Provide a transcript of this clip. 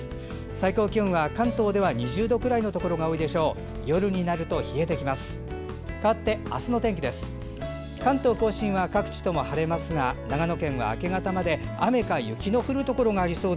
最高気温は関東で２０度くらいのところが多いでしょう。